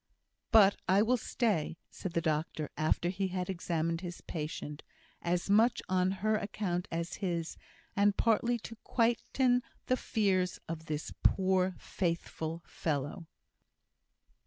"But I will stay," said the doctor, after he had examined his patient; "as much on her account as his! and partly to quieten the fears of this poor, faithful fellow."